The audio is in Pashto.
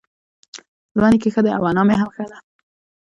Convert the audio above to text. زما نيکه ښه دی اؤ انا مي هم ښۀ دۀ